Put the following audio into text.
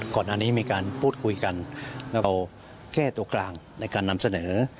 ก่อนหน้านี้มีการพูดคุยกันเราแค่ตัวกลางในการนำเสนอ